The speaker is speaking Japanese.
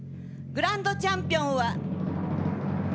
グランドチャンピオンは。